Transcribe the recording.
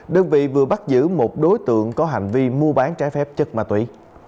đơn vị vừa bắt giữ một đối tượng có hành vi mua bán trái phép chất ma túy